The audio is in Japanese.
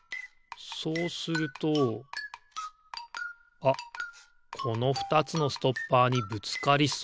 そうするとあっこの２つのストッパーにぶつかりそう。